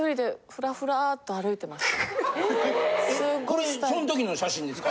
・これその時の写真ですか？